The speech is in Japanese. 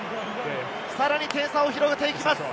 さらに点差を広げていきます。